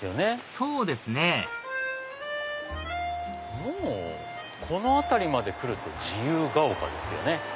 そうですねもうこの辺りまで来ると自由が丘ですよね。